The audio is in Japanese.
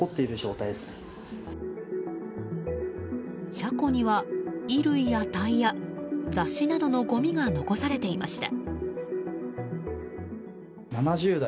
車庫には衣類やタイヤ雑誌などのごみが残されていました。